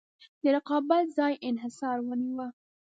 د رقابت ځای انحصار ونیوه.